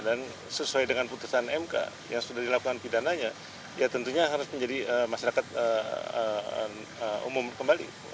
dan sesuai dengan putusan mk yang sudah dilakukan pidananya ya tentunya harus menjadi masyarakat umum kembali